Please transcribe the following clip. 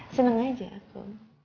seneng aja aku